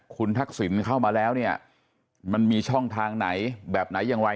คุณทักษิณเข้ามาแล้วเนี่ยมันมีช่องทางไหนแบบไหนอย่างไร